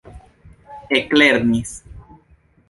eklernis